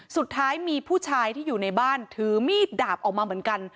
สุดท้ายมีผู้ชายที่อยู่ในบ้านถือมีดดาบออกมาเหมือนกัน